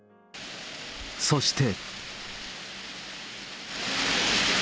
そして。